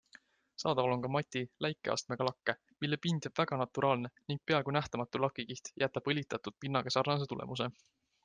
Saadaval on ka mati läikeastmega lakke, mille pind jääb väga naturaalne ning peaaegu nähtamatu lakikiht jätab õlitatud pinnaga sarnase tulemuse.